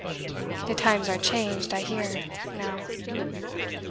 The times are changed, I hear, now."